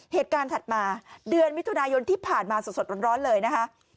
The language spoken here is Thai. เหตุการณ์ถัดมาเดือนมิถุนายนที่ผ่านมาสดร้อนเลยนะคะ